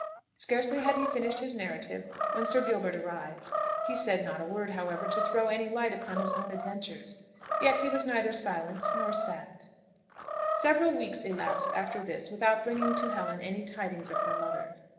Scarcely had he finished his narrative, when Sir Gilbert arrived. He said not a word, however, to throw any light upon his own adventures; yet was he neither silent nor sad. Several weeks elapsed after this without bringing to Helen any tidings of her mother.